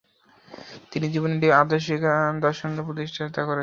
তিনি জীবনের একটি আদর্শিক দর্শনরূপ প্রতিষ্ঠা করেছেন"।